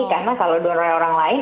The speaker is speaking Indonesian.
karena kalau donornya orang lain